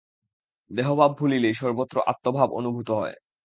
দেহভাব ভুলিলেই সর্বত্র আত্মভাব অনুভূত হয়।